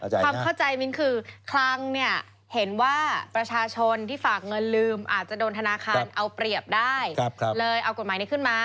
ความเข้าใจมิ้นคือคลังเนี่ยเห็นว่าประชาชนที่ฝากเงินลืมอาจจะโดนธนาคารเอาเปรียบได้เลยเอากฎหมายนี้ขึ้นมา